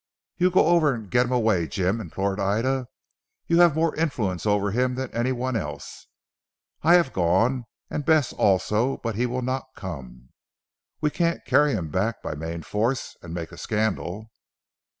"You go over and get him away Jim," implored Ida, "you have more influence over him than anyone else. I have gone and Bess also, but he will not come. We can't carry him back by main force and make a scandal."